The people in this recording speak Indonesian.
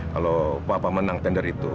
kalau papa menang tender itu